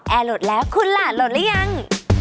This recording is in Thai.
แอร์โหลดแล้วคุณล่ะโหลดแล้วยัง